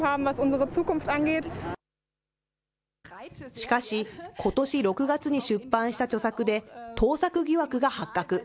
しかし、ことし６月に出版した著作で盗作疑惑が発覚。